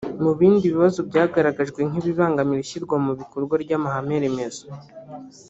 Mu bindi bibazo byagaragajwe nk’ibigangamira ishyirwa mu bikorwa ry’amahame remezo